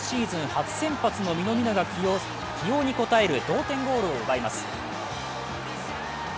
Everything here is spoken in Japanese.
初先発の南野が起用に応える同点ゴールを奪います。